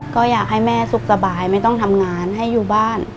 ก็อยากให้แม่สุขสบายไม่ต้องทำงานให้อยู่บ้าน